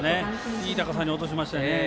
いい高さに落としましたね。